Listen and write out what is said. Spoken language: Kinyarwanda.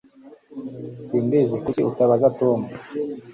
Simbizi Kuki utabaza Tom